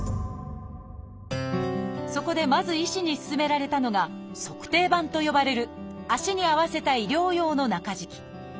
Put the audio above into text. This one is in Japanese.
そこでまず医師に勧められたのが「足底板」と呼ばれる足に合わせた医療用の中敷き。